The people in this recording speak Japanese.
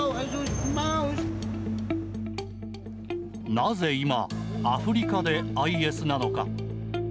なぜ今、アフリカでＩＳなのか。